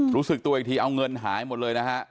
รู้สึกตัวอีกทีเอาเงินหายหมดเลยนะฮะ